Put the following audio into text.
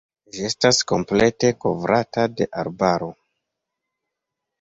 Ĝi estas komplete kovrata de arbaro.